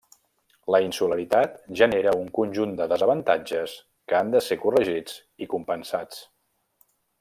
La insularitat genera un conjunt de desavantatges que han de ser corregits i compensats.